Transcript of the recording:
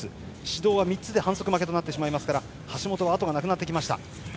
指導が３つで反則負けとなってしまいますので橋本は後がなくなってきました。